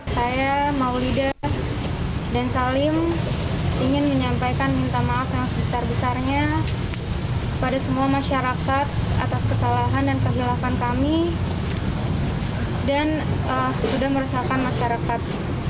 saya maulida dan salim ingin menyampaikan minta maaf yang sebesar besarnya pada semua masyarakat atas kesalahan dan kehilafan kami dan sudah meresahkan masyarakat